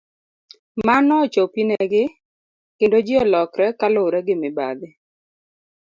Mano ochopi ne gi kendo ji olokre ka luwre gi mibadhi.